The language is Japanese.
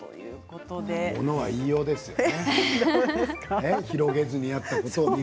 ものは言いようですよね。